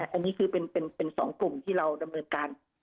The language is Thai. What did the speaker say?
อันนี้คือเป็น๒กลุ่มที่เราดำเนินการ